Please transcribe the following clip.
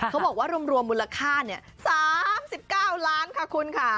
เขาบอกว่ารวมมูลค่า๓๙ล้านค่ะคุณค่ะ